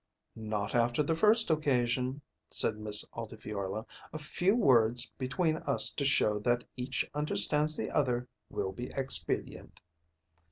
"Not after the first occasion," said Miss Altifiorla. "A few words between us to show that each understands the other will be expedient."